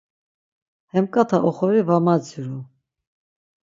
Hemǩata oxori var maziru.